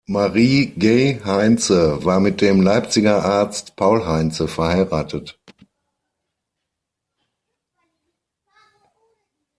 Marie Gey-Heinze war mit dem Leipziger Arzt Paul Heinze verheiratet.